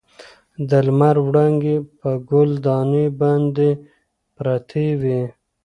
د لمر وړانګې په ګل دانۍ باندې پرتې وې.